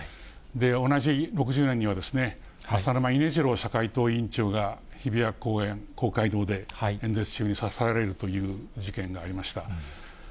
同じ６０年には、浅沼稲次郎社会党委員長が日比谷公会堂で演説中に刺されるという事件がありました。